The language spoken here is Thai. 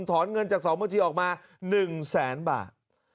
ถอนเงินจากส่อมบัญชีออกมา๑๐๐๐๐๐บาท